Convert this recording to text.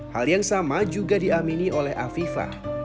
hal yang sama juga diamini oleh afifah